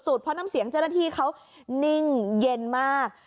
เพราะน้ำเสียงเจ้าหน้าที่เขานิ่งเย็นมาก